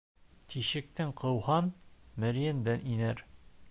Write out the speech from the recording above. Тишектән ҡыуһаң, мөрйәңдән инер.